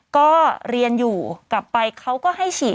ก็เรียนอยู่กลับไปเขาก็ให้ฉีด